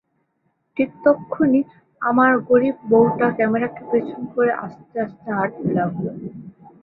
ঠিক তক্ষুণি আমার গরীব বউটা ক্যামেরা কে পেছনে করে আস্তে আস্তে হাটতে লাগল।